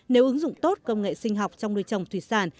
nếu ứng dụng tốt công nghệ sinh học trong nuôi trồng thủy sản